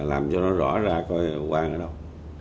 làm cho nó rõ ra coi quang ở đâu